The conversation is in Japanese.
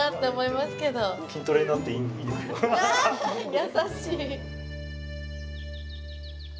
優しい。